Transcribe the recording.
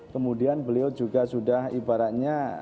kemudian beliau juga sudah ibaratnya